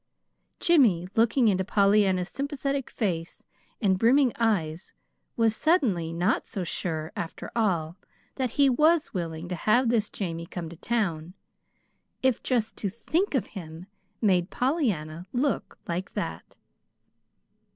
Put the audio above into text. Jimmy, looking into Pollyanna's sympathetic face and brimming eyes was suddenly not so sure, after all, that he WAS willing to have this Jamie come to town if just to THINK of him made Pollyanna look like that!